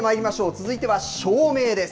続いては照明です。